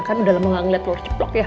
kan udah lama gak ngeliat telur ceplok ya